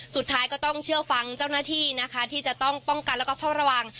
สุดท้ายก็ต้องเชื่อฟังเจ้าหน้าที่นะคะที่จะต้องป้องกันแล้วก็เฝ้าระวัง